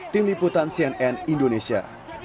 tim liputan cnn indonesia